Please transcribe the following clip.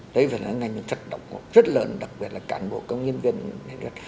đấy là ngành đường sát độc ngộ rất lớn đặc biệt là cản bộ công nhân viên đường sát